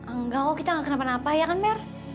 enggak kok kita gak kenapa napa ya kan mer